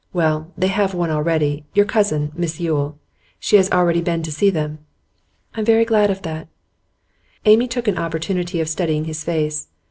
Well, they have one already your cousin, Miss Yule. She has already been to see them.' 'I'm very glad of that.' Amy took an opportunity of studying his face.